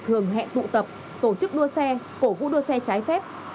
thường hẹn tụ tập tổ chức đua xe cổ vũ đua xe trái phép